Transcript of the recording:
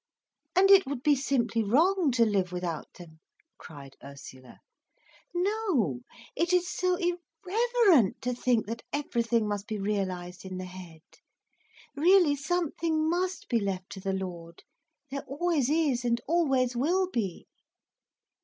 "And it would be simply wrong to live without them," cried Ursula. "No, it is so irreverent to think that everything must be realised in the head. Really, something must be left to the Lord, there always is and always will be."